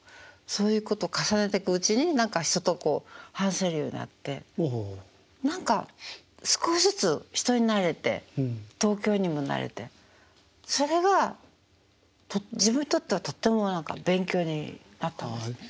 そういうこと重ねてくうちに何か人と話せるようになって何か少しずつ人に慣れて東京にも慣れてそれが自分にとってはとっても勉強になったんですね。